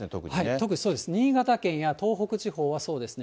特にそうです、新潟県や東北地方はそうですね。